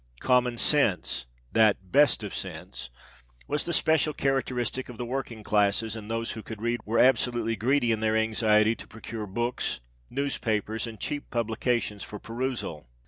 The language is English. Common sense—that best of sense—was the special characteristic of the working classes; and those who could read, were absolutely greedy in their anxiety to procure books, newspapers, and cheap publications for perusal.